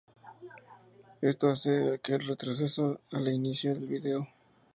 Esto hace que el retroceso a la inicio del vídeo.